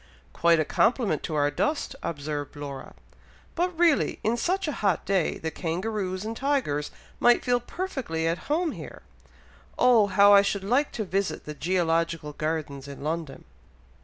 "Quite a compliment to our dust," observed Laura. "But really in such a hot day, the kangaroos and tigers might feel perfectly at home here. Oh! how I should like to visit the GEOlogical Gardens in London!"